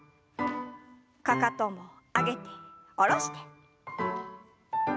かかとも上げて下ろして。